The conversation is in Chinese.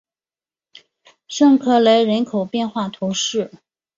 圣克莱人口变化图示